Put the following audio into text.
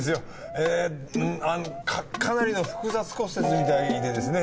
えあのかなりの複雑骨折みたいでですね。